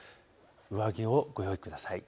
上着をご用意ください。